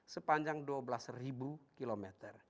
sepanjang dua belas km